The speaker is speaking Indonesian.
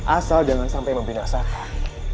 asal jangan sampai membinasakan